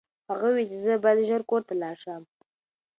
هغه وویل چې زه باید ژر کور ته لاړ شم.